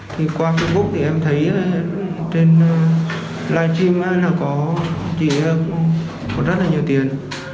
thì qua facebook thì em thấy trên live stream là có chị ấy có rất là nhiều tiền